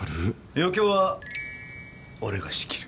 余興は俺が仕切る。